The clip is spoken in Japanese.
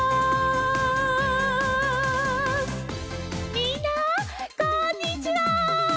みんなこんにちは。